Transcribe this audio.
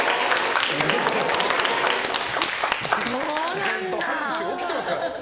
自然と拍手起きていますから。